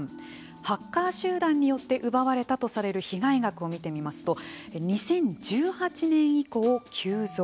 ハッカー集団によって奪われたとされる被害額を見てみますと２０１８年以降、急増。